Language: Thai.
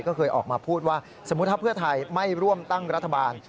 ก็เคยออกมาพูดว่าสมมุติถ้าเพื่อไทยไม่ร่วมตั้งรัฐบาล